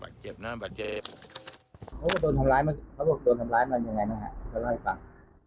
เขาบอกว่าโดนทำร้ายมันยังไงมาเล่าให้ฟัง